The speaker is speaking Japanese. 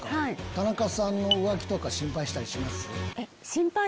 田中さんの浮気とか心配したりします？